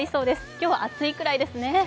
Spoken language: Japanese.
今日は暑いくらいですね。